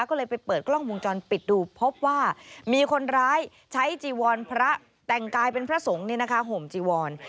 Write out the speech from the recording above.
ก็เลยไปเปิดกล้องวงจรปิดดูพบว่ามีคนร้ายใช้จีวรพระแต่งกายเป็นพระสงฆ์ห่มจีวร